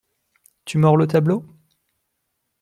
Tu mords le tableau ?